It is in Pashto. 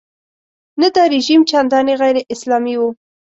نه دا رژیم چندانې غیراسلامي و.